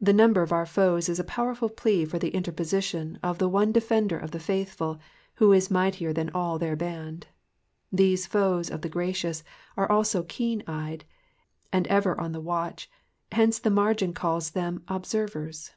The number of our foes is a powerful plea for the interposition of the one Defender of the faithful, who is mightier than all their bands. These foes of the gracious are also keen eyed, and ever on the watch, hence the margin calls them " observers."